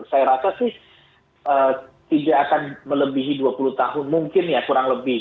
saya rasa sih tidak akan melebihi dua puluh tahun mungkin ya kurang lebih